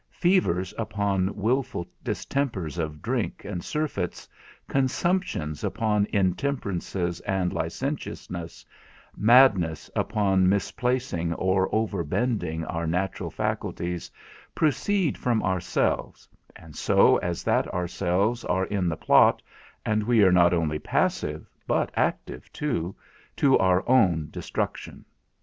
Fevers upon wilful distempers of drink and surfeits, consumptions upon intemperances and licentiousness, madness upon misplacing or overbending our natural faculties, proceed from ourselves, and so as that ourselves are in the plot, and we are not only passive, but active too, to our own destruction.